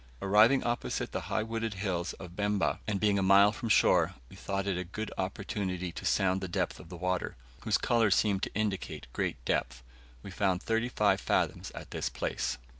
Arriving opposite the high wooded hills of Bemba, and being a mile from shore, we thought it a good opportunity to sound the depth of the water, whose colour seemed to indicate great depth. We found thirty five fathoms at this place.